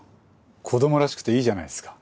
子供らしくていいじゃないですか。